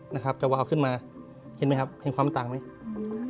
จะวางเข้าขึ้นมาเห็นไหมครับเห็นความต่างไหม